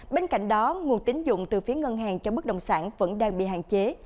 bên cạnh đó nguồn tín dụng từ phía ngân hàng cho bất đồng sản vẫn đang bị hạn chế